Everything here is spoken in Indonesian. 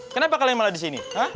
kenapa kalian malah di sini